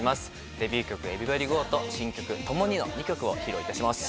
デビュー曲『ＥｖｅｒｙｂｏｄｙＧｏ』と新曲『ともに』の２曲を披露いたします。